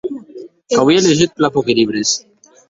Qu’auie liejut plan pòqui libres.